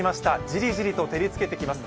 じりじりと照りつけてきます。